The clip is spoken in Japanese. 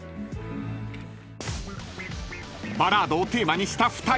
［バラードをテーマにした２人］